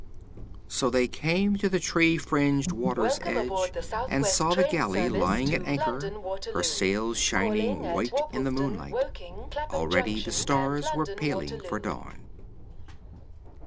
_' So they came to the tree fringed water's edge and saw the galley lying at anchor, her sail shining white in the moonlight. Already the stars were paling for dawn.